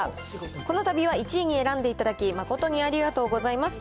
このたびは１位に選んでいただき、誠にありがとうございます。